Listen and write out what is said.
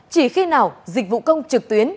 chỉ khi nào dịch vụ công trực tuyến